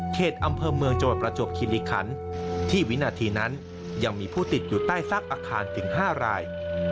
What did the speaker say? อำเภอเมืองจังหวัดประจวบคิริคันที่วินาทีนั้นยังมีผู้ติดอยู่ใต้ซากอาคารถึง๕ราย